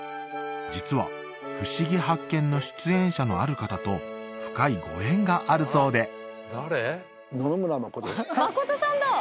実は「ふしぎ発見！」の出演者のある方と深いご縁があるそうで真さんだ！